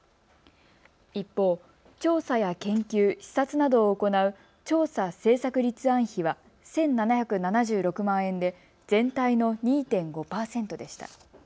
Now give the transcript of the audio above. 一方、調査や研究、視察などを行う調査・政策立案費は１７７６万円で全体の２．５％でした。